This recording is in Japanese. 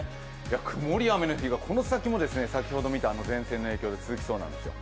曇り、雨の日がこの先も先ほど見た前線の影響で続きそうなんですよ。